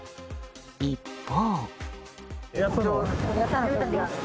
一方。